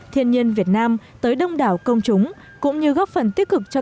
thiên nhiên việt nam tới đông đảo công chúng cũng như góp phần tích cực cho